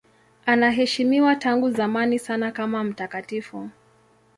Anaheshimiwa tangu zamani sana kama mtakatifu.